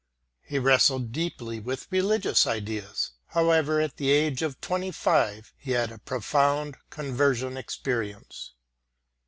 He wrestled deeply with religious ideas, however, and at the age of 25 he had a profound conversion experience.